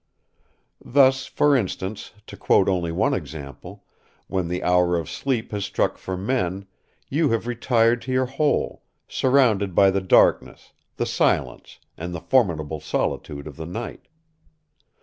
Thus, for instance, to quote only one example, when the hour of sleep has struck for men, you have retired to your hole, surrounded by the darkness, the silence and the formidable solitude of the night.